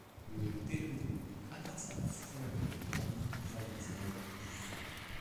Le télougou appartient à la sous-famille des langues dravidiennes du centre.